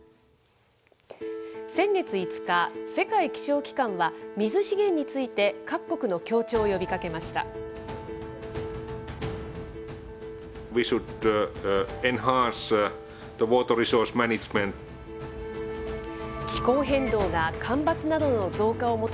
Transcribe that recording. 先月５日、世界気象機関は、水資源について各国の協調を呼びかけました。